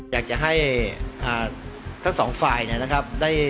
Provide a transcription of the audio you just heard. อยากจะให้ทั้งสองฝ่ายนะครับ